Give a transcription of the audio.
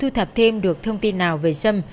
chưa thu thập thêm được thông tin nào về sâm